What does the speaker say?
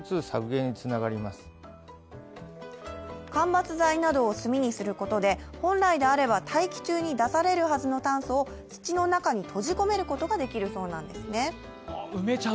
間伐材などを炭にすることで、本来であれば大気中に出されるはずの炭素を土の中に閉じ込めることができるそうなんですね。